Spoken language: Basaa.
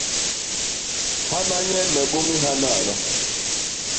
Hana nyen me bôñi hanano.